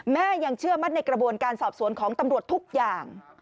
ยังเชื่อมั่นในกระบวนการสอบสวนของตำรวจทุกอย่าง